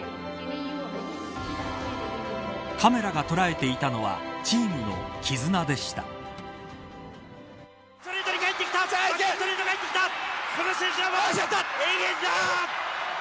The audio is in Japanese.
カメラが捉えていたのはチームの絆でした。